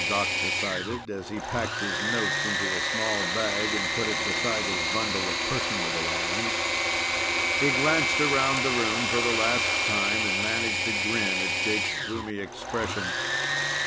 Doc decided as he packed his notes into a small bag and put it beside his bundle of personal belongings. He glanced around the room for the last time, and managed a grin at Jake's gloomy expression.